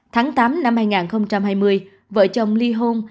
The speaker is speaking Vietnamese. tháng tám năm hai nghìn hai mươi vợ chồng ly hôn